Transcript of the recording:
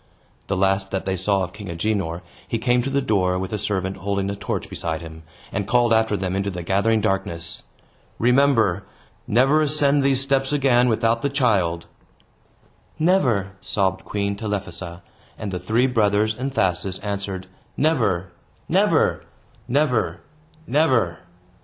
The last that they saw of King Agenor, he came to the door, with a servant holding a torch beside him, and called after them into the gathering darkness: "Remember! Never ascend these steps again without the child!" "Never!" sobbed Queen Telephassa; and the three brothers and Thasus answered, "Never! Never! Never! Never!"